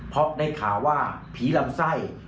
เพราะได้ข่าวว่าผีลำไส้